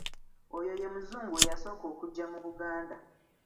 Oyo ye muzungu eyasooka okujja mu Buganda.